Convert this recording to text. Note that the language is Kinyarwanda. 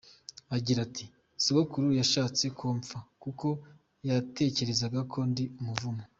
Agira ati “Sogokuru yashatse ko mpfa kuko yatekerezaga ko ndi umuvumo.